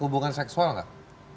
hubungan seksual enggak